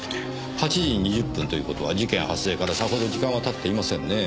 ８時２０分という事は事件発生からさほど時間は経っていませんねぇ。